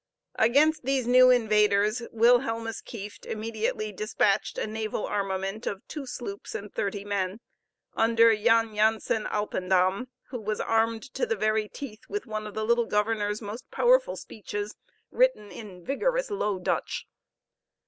Against these new invaders Wilhelmus Kieft immediately despatched a naval armament of two sloops and thirty men, under Jan Jansen Alpendam, who was armed to the very teeth with one of the little governor's most powerful speeches, written in vigorous Low Dutch.